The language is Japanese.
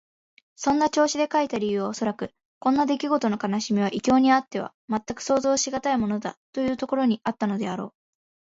そんな調子で書いた理由はおそらく、こんなできごとの悲しみは異郷にあってはまったく想像しがたいものだ、というところにあったのであろう。